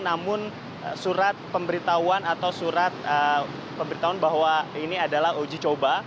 namun surat pemberitahuan atau surat pemberitahuan bahwa ini adalah uji coba